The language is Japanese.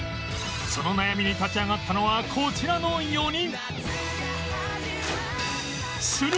その悩みに立ち上がったのはこちらの４人